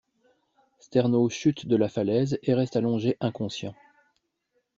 Sternau chute de la falaise et reste allongé inconscient.